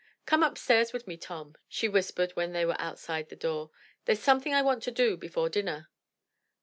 "Come upstairs with me, Tom," she whispered when they were outside the door. "There's something I want to do before dinner."